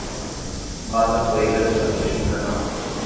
Bata a poeira do tapete no gramado.